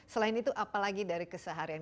selain itu apalagi dari keseharian